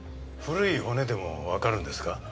古い骨でもわかるんですか？